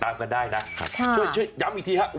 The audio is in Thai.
ติดตามกันได้นะช่วยย้ำอีกทีครับ